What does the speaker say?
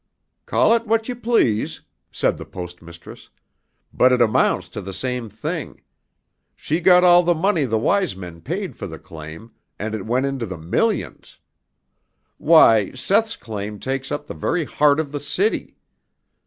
"Call it what you please," said the Post Mistress, "but it amounts to the same thing. She got all the money the Wise Men paid for the claim, and it went into the millions. Why, Seth's claim takes up the very heart of the city.